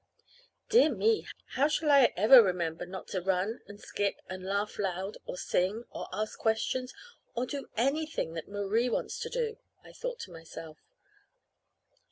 "Dear me! How shall I ever remember not to run and skip and laugh loud or sing, or ask questions, or do anything that Marie wants to do?" I thought to myself.